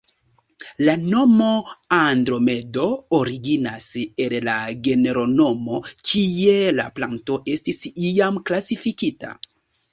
La nomo "andromedo" originas el la genronomo, kie la planto estis iam klasifikita.